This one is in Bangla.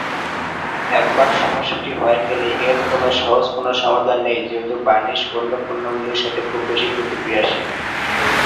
একবার সমস্যাটি হয়ে গেলে, এর কোন সহজ কোনো সমাধান নেই যেহেতু বার্ণিশ অন্য পণ্যগুলির সাথে খুব বেশি প্রতিক্রিয়াশীল।